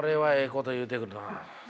こと言うてくるなあ。